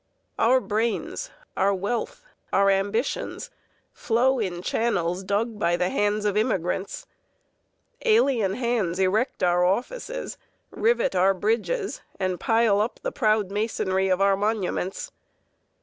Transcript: Our brains, our wealth, our ambitions flow in channels dug by the hands of immigrants. Alien hands erect our offices, rivet our bridges, and pile up the proud masonry of our monuments.